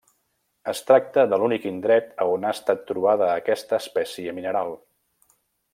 Es tracta de l'únic indret a on ha estat trobada aquesta espècie mineral.